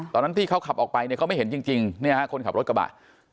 ตอนที่เขาขับออกไปเนี่ยเขาไม่เห็นจริงคนขับรถกระบะ